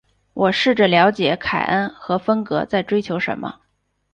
我试着了解凯恩和芬格在追求什么。